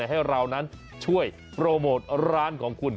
ให้เรานั้นช่วยโปรโมทร้านของคุณ